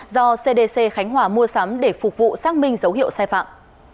do cdc khánh hòa mua sắm để phục vụ xác minh dấu hiệu sai phạm